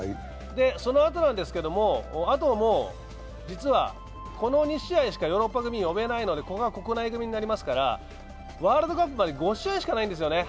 そのあとですけれども、実はこの２試合しかヨーロッパ組呼べないのでここは国内組になりますので、ワールドカップまで５試合しかないんですよね。